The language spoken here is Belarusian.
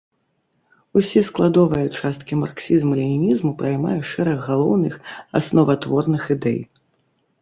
Усе складовыя часткі марксізму-ленінізму праймае шэраг галоўных, асноватворных ідэй.